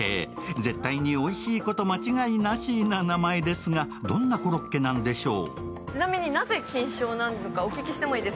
絶対においしいこと間違いなしな名前ですが、どんなコロッケなんでしょう？